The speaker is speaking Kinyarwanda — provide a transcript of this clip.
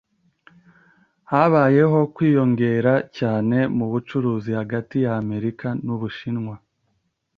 Habayeho kwiyongera cyane mu bucuruzi hagati y’Amerika n'Ubushinwa. )